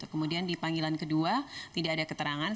kemudian di panggilan kedua tidak ada keterangan